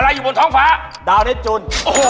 อะไรอยู่บนท้องฝาดาวเล็กจุน